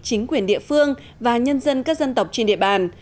chính quyền địa phương và nhân dân các dân tộc trên địa bàn